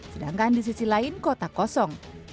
sedangkan di sisi lain kota kosong